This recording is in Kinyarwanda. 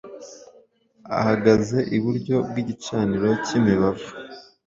ahagaze iburyo bw'igicaniro cy'imibavu,''